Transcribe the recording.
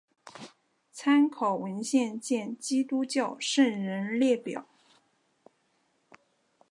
参考文献见基督教圣人列表。